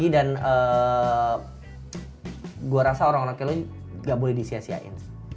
dan gue rasa orang orang kayak lo gak boleh disiasiain